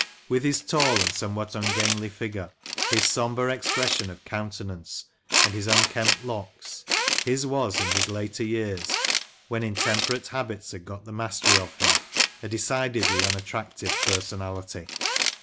•With his tall and somewhat ungainly figure, his sombre expression of countenance, and his unkempt locks, his was, in his later years, when intemperate habits had got the mastery of him, a decidedly unattractive personality.